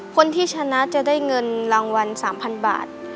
คนที่ชนะจะได้เงินรางวัล๓๐๐บาท